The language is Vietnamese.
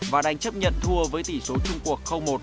và đánh chấp nhận thua với tỷ số trung quốc một